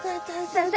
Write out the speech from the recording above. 先生。